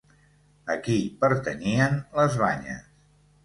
A qui pertanyien les banyes?